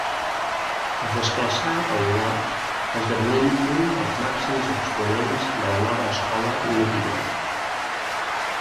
Es desplaçà a Olot esdevenint un dels màxims exponents de la nova escola olotina.